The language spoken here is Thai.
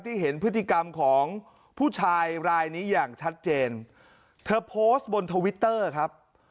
เห็นพฤติกรรมของผู้ชายรายนี้อย่างชัดเจนเธอโพสต์บนทวิตเตอร์ครับ